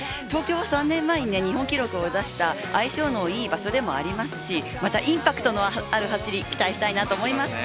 ３年前に日本記録を出した相性のいい場所でもありますしインパクトのある走りを期待したいです。